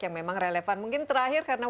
yang memang relevan mungkin terakhir karena